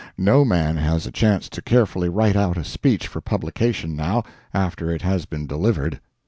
No man has a chance to carefully write out a speech for publication, now, after it has been delivered.